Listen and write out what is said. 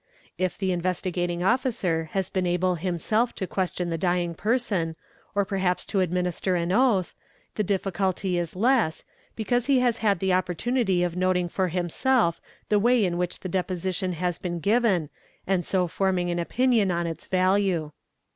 If the Investigating Officer has been able himself to question the dying person or perhaps to administer an oath, the difficulty is less, because he has had the opportunity of noting for himself the way in whie! the deposition has been given and so forming an opinion on its value.